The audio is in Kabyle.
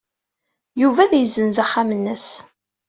Yuba ad yessenz axxam-nnes.